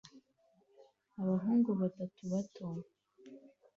Abahungu batatu bato